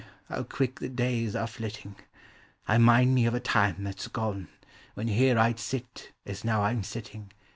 how quirk the davs are flitting! I mind me of a time that 'a gone, When here I 'd sit. as now I 'm sitting.